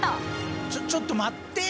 ちょちょっと待ってな！